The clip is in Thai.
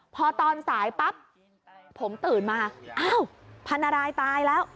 พอตอนสายปั๊บผมตื่นมาอ้าวพันรายตายแล้ว